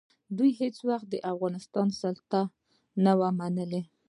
دوی هېڅ وخت د افغانستان سلطه نه وه منلې.